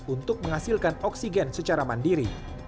untuk menghasilkan oksigen secara mandiri